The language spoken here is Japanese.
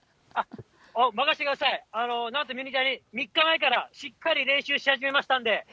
任せてください、なんとミニタニ、３日前からしっかり練習し始めましたんで。